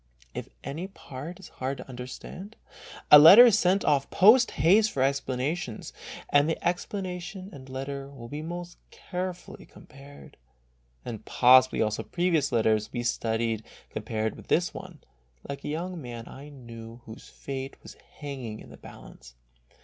If any part is hard to under stand, a letter is sent off post haste for explanations, and the explanation and letter will be most carefully compared, and possibly also previous letters will be studiously com pared with this one, like a young man I knew whose fate was hanging in the balance.